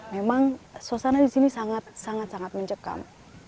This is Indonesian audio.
dan suasana di sini sangat sangat mencekam